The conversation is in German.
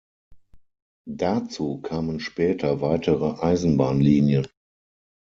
Dazu kamen später weitere Eisenbahnlinien.